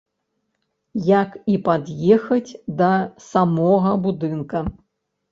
Як і пад'ехаць да самога будынка.